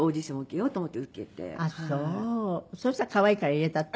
そしたら可愛いから入れたって話？